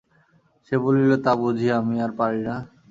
সে বলিল, তা বুঝি আমি আর পারি না!